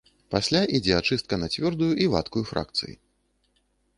Пасля ідзе ачыстка на цвёрдую і вадкую фракцыі.